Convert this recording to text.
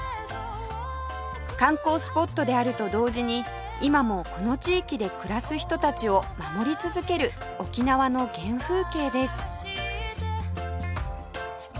観光スポットであると同時に今もこの地域で暮らす人たちを守り続ける沖縄の原風景です